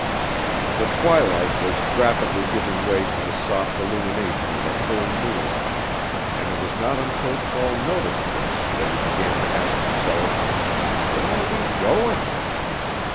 The twilight was rapidly giving way to the soft illumination of a full moon; and it was not until Paul noticed this, that he began to ask himself, "Where are we going?"